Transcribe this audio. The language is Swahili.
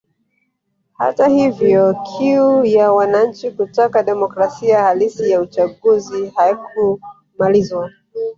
Hata hivyo kiu ya wananchi kutaka demokrasia halisi ya uchaguzi haikumalizwa